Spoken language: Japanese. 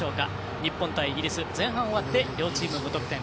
日本対イギリス、前半終わって両チーム無得点。